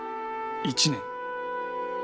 １年？